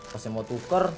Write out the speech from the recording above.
pas saya mau tuker